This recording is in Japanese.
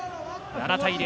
７対０。